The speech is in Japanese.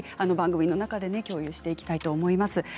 番組の中で共有していきたいと思います。